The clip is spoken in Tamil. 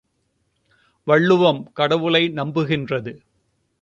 வள்ளுவம் கடவுளை நம்புகின்றது.